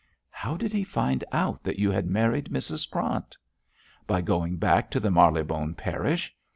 'How did he find out that you had married Mrs Krant?' 'By going back to the Marylebone parish.